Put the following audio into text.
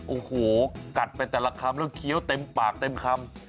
โอ้โหกัดไปแต่ละคำแล้วเคี้ยวเต็มปากเต็มคำ